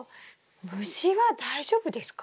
虫は大丈夫ですか？